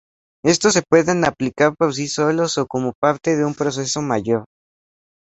Estos se pueden aplicar por sí solos o como parte de un proceso mayor.